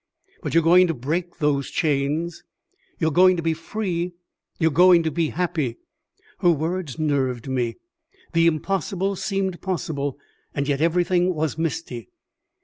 "But you are going to break those chains; you are going to be free; you are going to be happy." Her words nerved me. The impossible seemed possible, and yet everything was misty.